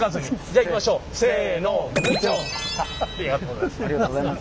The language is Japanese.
ありがとうございます。